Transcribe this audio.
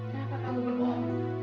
kenapa kamu berbohong